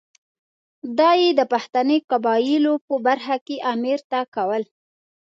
دا یې د پښتني قبایلو په برخه کې امیر ته کول.